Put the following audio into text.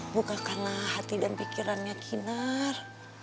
bukakanlah hati dan pikirannya kinar